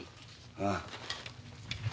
ああ。